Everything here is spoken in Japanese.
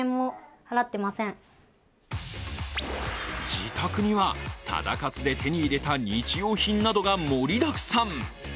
自宅には、タダ活で手に入れた日用品などが盛りだくさん。